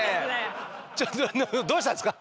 ちょっとどうしたんですか？